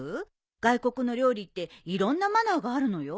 外国の料理っていろんなマナーがあるのよ？